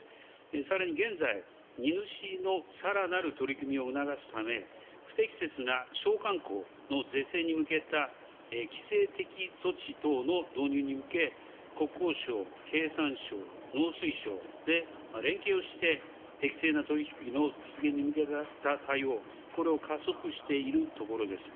さらに現在、荷主のさらなる取り組みを促すため、不適切な商慣行の是正に向けた規制的措置等の導入に向け、国交省、経産省、農水省で連携をして、適正な取り引きの実現に向けた対応、これを加速しているところです。